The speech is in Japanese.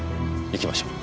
行きましょう。